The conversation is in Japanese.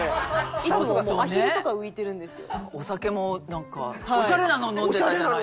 いつもアヒルとか浮いてるんですよ。